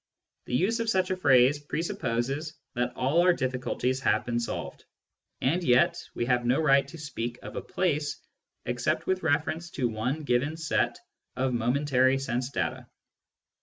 The use of such a phrase presupposes that all our difficulties have been solved ; as yet, we have no right to speak of a " place '* except with reference to one given set of momentary sense data.